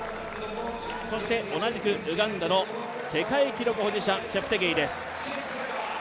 そして同じくウガンダの世界記録保持者、チェプテゲイです。